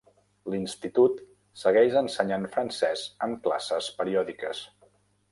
L'institut segueix ensenyant francès amb classes periòdiques.